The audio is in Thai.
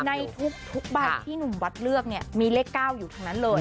ในทุกใบที่หนุ่มวัดเลือกเนี่ยมีเลข๙อยู่ทั้งนั้นเลย